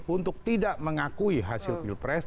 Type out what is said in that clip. untuk tidak mengakui hasil pilpres